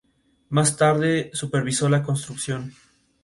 El tema sigue siendo centrado principalmente en la música y los músicos.